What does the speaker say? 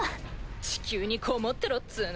地球にこもってろっつぅの。